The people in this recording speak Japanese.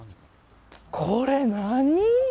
これ、何？